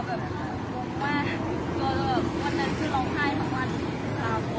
ตอนนี้กำหนังไปคุยของผู้สาวว่ามีคนละตบ